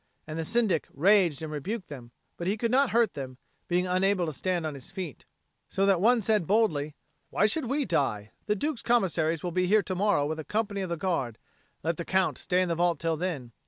And the Syndic raged and rebuked them, but he could not hurt them, being unable to stand on his feet; so that one said boldly, "Why should we die? The Duke's Commissaries will be here to morrow with a company of the Guard. Let the Count stay in the vault till then.